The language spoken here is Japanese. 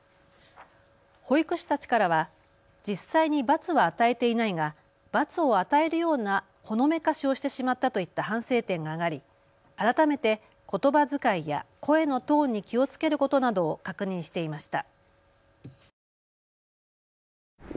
保育士たちからは実際に罰は与えていないが罰を与えるようなほのめかしをしてしまったといった反省点が上がり、改めてことばづかいや声のトーンに気をつけることなどを確認していました。